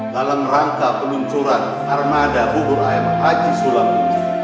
dalam rangka peluncuran armada bubur ayam haji sulamuni